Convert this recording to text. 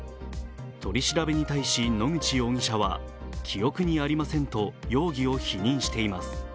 取り調べに対し野口容疑者は、記憶にありませんと容疑を否認しています。